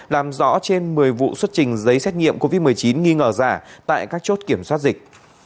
làm rõ trên một mươi vụ xuất trình giấy xét nghiệm covid một mươi chín nghi ngờ giả tại các chốt kiểm soát dịch